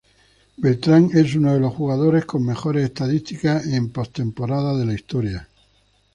Beltrán es uno de los jugadores con mejores estadísticas en postemporada de la historia.